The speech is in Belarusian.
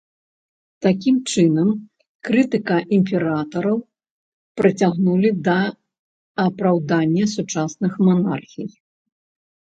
Такім чынам, крытыка імператараў прыцягнулі да апраўдання сучасных манархій.